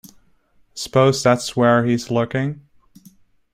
Suppose that's where he's lurking?